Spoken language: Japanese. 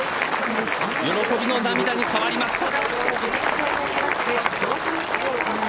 喜びの涙に変わりました。